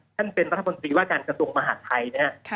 ท่านเป็นรัฐมนตรีว่าการกระทรวงมหาดไทยนะครับ